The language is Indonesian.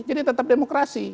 jadi tetap demokrasi